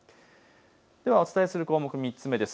お伝えする項目３つ目です。